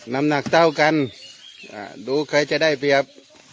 น้ำหนักเต้ากันดูใครจะได้เปรียบ